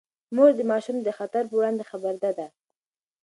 مور د ماشوم د خطر پر وړاندې خبرده ده.